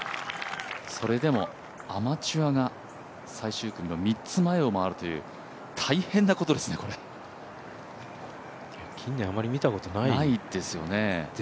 それでもアマチュアが最終組の３つ前を回るという近年、あまり見たことないですよね。